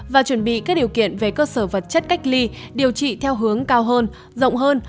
và chuẩn bị các điều kiện về cơ sở vật chất cách ly điều trị theo hướng cao hơn rộng hơn